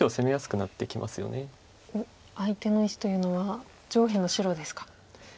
おっ相手の石というのは上辺の白ですか。